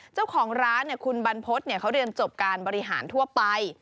เจ้าของร้านคุณบรรพฤษเขาเรียนจบการบริหารทั่วไป